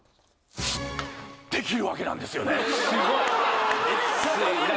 できるわけなんですよね